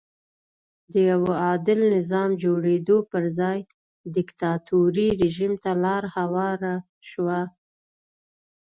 د یوه عادل نظام جوړېدو پر ځای دیکتاتوري رژیم ته لار هواره شوه.